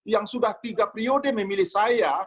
yang sudah tiga priode memilih saya